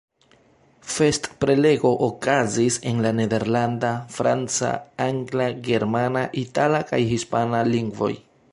Festprelego okazis en la nederlanda, franca, angla, germana, itala kaj hispana lingvoj.